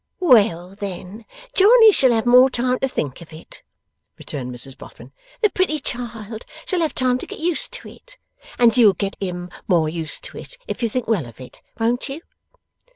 'Well, then, Johnny shall have more time to think of it,' returned Mrs Boffin; 'the pretty child shall have time to get used to it. And you'll get him more used to it, if you think well of it; won't you?